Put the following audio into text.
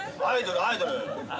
アイドル。